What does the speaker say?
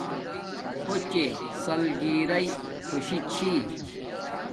اݹ چے سلگیرݵ خوشی چھی